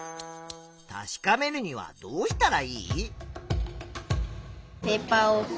確かめるにはどうしたらいい？